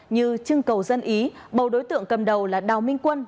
như trưng cầu dân ý bầu đối tượng cầm đầu là đào minh quân